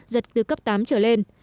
giật từ cấp tám trở lên